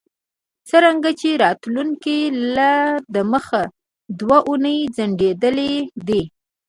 څرنګه چې راتلونکی لا دمخه دوه اونۍ ځنډیدلی دی